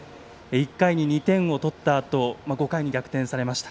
１回に２点を取ったあと５回に逆転されました。